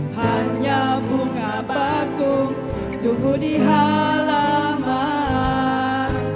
hanya bunga batu tumbuh di halaman